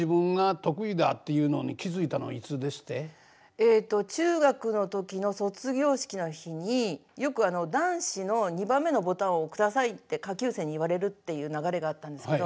えっと中学の時の卒業式の日によくあの男子の２番目のボタンを下さいって下級生に言われるっていう流れがあったんですけど。